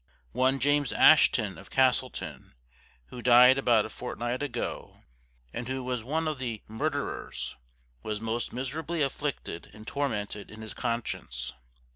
One James Ashton, of Castleton, who died about a fortnight ago, and who was one of the murderers, was most miserably afflicted and tormented in his conscience.